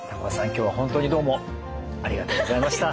今日は本当にどうもありがとうございました。